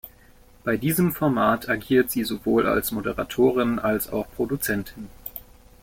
Bei diesem Format agiert sie sowohl als Moderatorin als auch Produzentin.